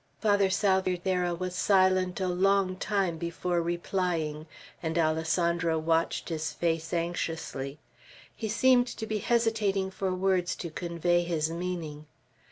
Father Salvierderra was silent a long time before replying, and Alessandro watched his face anxiously. He seemed to be hesitating for words to convey his meaning.